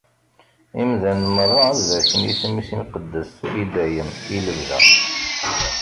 Imdanen merra ad barken isem-is imqeddes, i dayem, i lebda.